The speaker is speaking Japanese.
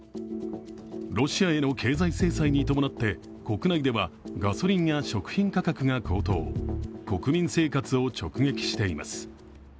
ロシアへの経済制裁に伴って国内ではガソリンや食品価格が高騰国民生活を直撃しています。